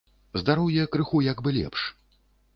Здароўе крыху як бы лепш.